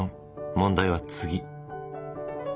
問題は次